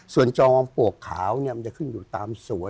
ส่วนจอมปลวกขาวมันจะขึ้นอยู่ตามสวน